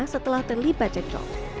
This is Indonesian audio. setelah terlibat cekcok